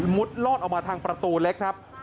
ลอดออกมาทางประตูเล็กครับ